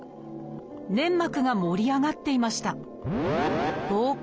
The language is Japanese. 粘膜が盛り上がっていました